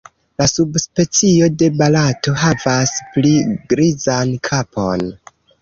La subspecio de Barato havas pli grizan kapon.